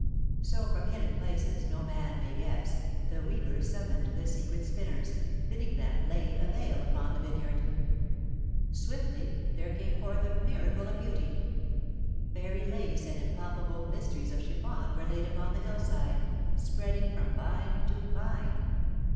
So, from hidden places no man may guess, the Weaver summoned the Secret Spinners, bidding them lay a veil upon the vineyard. Swiftly there came forth a miracle of beauty. Fairy lace and impalpable mysteries of chiffon were laid upon the hillside, spreading from vine to vine.